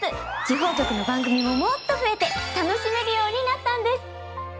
地方局の番組ももっと増えて楽しめるようになったんです。